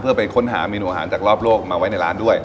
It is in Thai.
เพื่อไปค้นหาเมนูอาหารจากรอบโลกมาไว้ในร้านด้วย